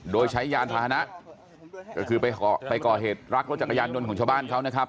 โดยใช้ยานพาหนะก็คือไปก่อเหตุรักรถจักรยานยนต์ของชาวบ้านเขานะครับ